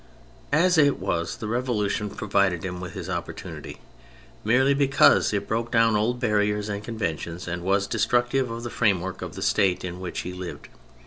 As it was, the Revolution provided him with his opportunity merely because it broke down old barriers and conventions and was destructive of the framev/ork of the State in which he lived.